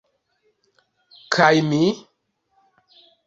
Kaj mi?